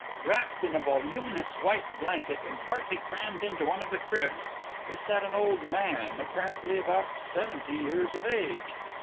Wrapped in a voluminous white blanket, and partly crammed into one of the cribs, there sat an old man apparently about seventy years of age.